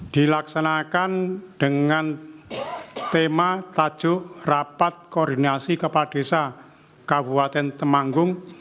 dilaksanakan dengan tema tajuk rapat koordinasi kepala desa kabupaten temanggung